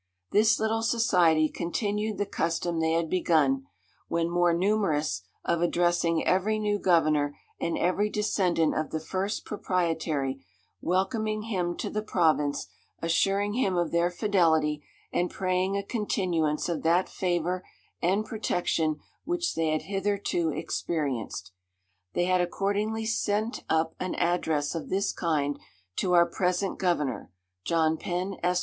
"This little society continued the custom they had begun, when more numerous, of addressing every new governor, and every descendant of the first proprietary, welcoming him to the province, assuring him of their fidelity, and praying a continuance of that favour and protection which they had hitherto experienced. They had accordingly sent up an address of this kind to our present governor (John Penn, Esq.)